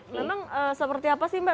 memang seperti apa sih mbak